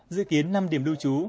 dự kiến năm điểm lưu trú